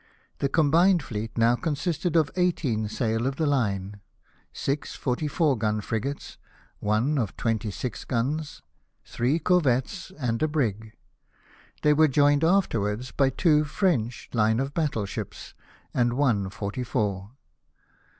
The com bined fleet now consisted of eighteen sail of the line, six fortv four gun frigates, one of twenty six guns, << PURSUIT OF THE ENEMY. 2S1> three corvettes, and a brig. They were joined after wards by two French hne of battle ships, and one forty four.